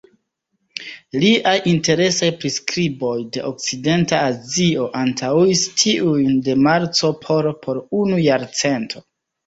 Liaj interesaj priskriboj de okcidenta Azio antaŭis tiujn de Marco Polo por unu jarcento.